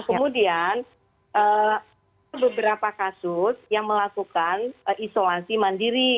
kemudian ada beberapa kasus yang melakukan isolasi mandiri